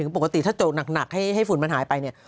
ปกติถ้าโจกหนักให้ฝุ่นมันหายไปเนี่ย